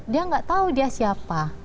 dia nggak tahu dia siapa